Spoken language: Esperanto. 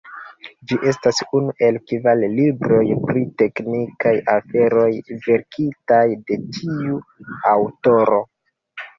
Ĝi estas unu el kvar libroj pri teknikaj aferoj verkitaj de tiu aŭtoro.